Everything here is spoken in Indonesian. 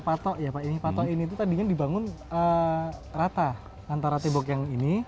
patok ya pak ini patok ini itu tadinya dibangun rata antara tembok yang ini